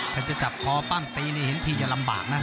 ถ้าจะจับคอปั้งตีนี่เห็นพี่จะลำบากนะ